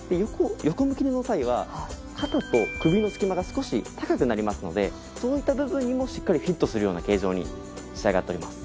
横横向き寝の際は肩と首の隙間が少し高くなりますのでそういった部分にもしっかりフィットするような形状に仕上がっております。